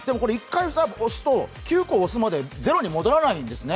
１回押すと、９回押すまでゼロにならないんですね。